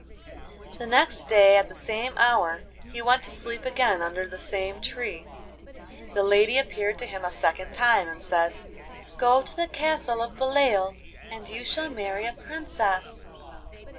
The next day at the same hour he went to sleep again under the same tree. The lady appeared to him a second time, and said: 'Go to the castle of Beloeil, and you shall marry a princess.